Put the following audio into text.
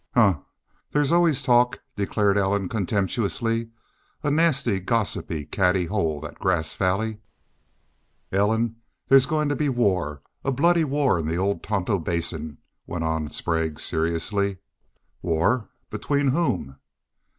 "Humph! There always was talk," declared Ellen, contemptuously. "A nasty, gossipy, catty hole, that Grass Valley!" "Ellen, thar's goin' to be war a bloody war in the ole Tonto Basin," went on Sprague, seriously. "War! ... Between whom?"